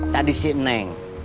tadi si neng